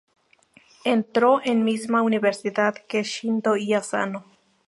Entró en misma universidad que Shindo y Asano.